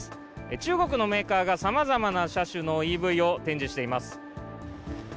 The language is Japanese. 中国のメーカーがさまざまな車種のＥＶを展示しています。